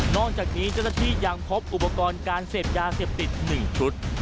นอกจากนี้จริงที่ยังพบอุปกรณ์การเสพยาเสพติดหนึ่งชุด